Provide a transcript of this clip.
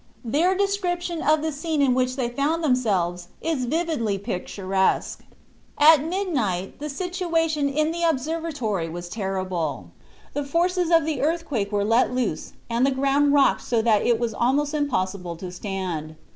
Their description of the scene in which they found themselves is vividly picturesque. At midnight the situation in the observatory was terrible. The forces of the earthquake were let loose and the ground rocked so that it was almost impossible to stand.